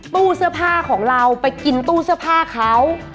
ตู้เสื้อผ้าของเราไปกินตู้เสื้อผ้าเขา